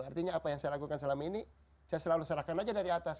artinya apa yang saya lakukan selama ini saya selalu serahkan aja dari atas